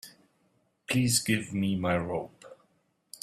Please give me my robe.